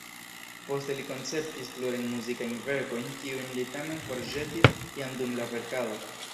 Poste li konceptis plurajn muzikajn verkojn, kiujn li tamen forĵetis jam dum la verkado.